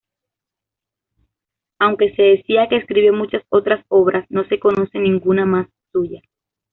Aunque se decía que escribió muchas otras obras, no se conoce ninguna más suya.